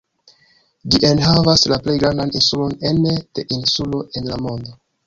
Ĝi enhavas la plej grandan insulon ene de insulo en la mondo.